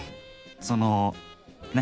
そのね。